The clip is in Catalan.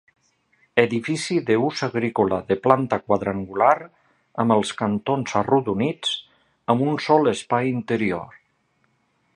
Edificació d'ús agrícola de planta quadrangular, amb els cantons arrodonits, amb un sol espai interior.